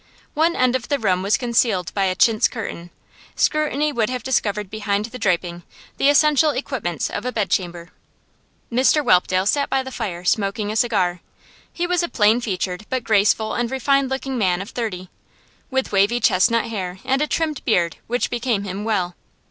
One end of the room was concealed by a chintz curtain; scrutiny would have discovered behind the draping the essential equipments of a bedchamber. Mr Whelpdale sat by the fire, smoking a cigar. He was a plain featured but graceful and refined looking man of thirty, with wavy chestnut hair and a trimmed beard which became him well.